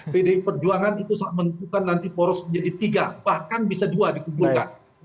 pdi perjuangan itu saat menentukan nanti poros menjadi tiga bahkan bisa dua dikumpulkan